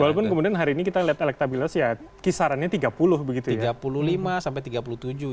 walaupun kemudian hari ini kita lihat elektabilitas ya kisarannya tiga puluh begitu ya